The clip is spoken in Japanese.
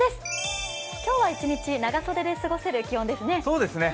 今日は一日、長袖で過ごせる気温ですね。